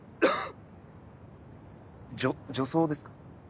じょ女装ですか？